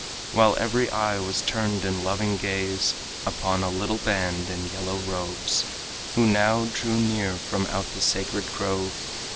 While every eye was turned in loving gaze Upon a little band in yellow robes Who now drew near from out the sacred grove.